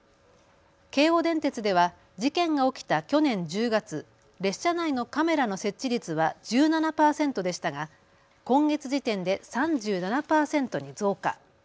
京王電鉄では事件が起きた去年１０月、列車内のカメラの設置率は１７％でしたが今月時点で３７％に増加。